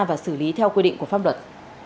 và xử lý theo quy định của pháp luật